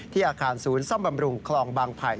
อาคารศูนย์ซ่อมบำรุงคลองบางไผ่